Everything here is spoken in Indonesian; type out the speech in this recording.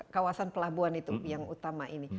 kawasan pelabuhan itu yang utama ini